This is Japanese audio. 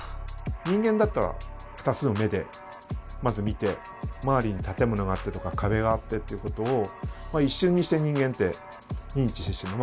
人間だったら２つの目でまず見て周りに建物があってとか壁があってっていうことを一瞬にして人間って認知してしまう。